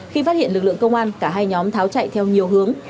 khi phát hiện lực lượng công an cả hai nhóm tháo chạy theo nhiều hướng